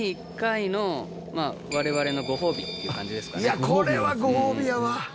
いやこれはごほうびやわ。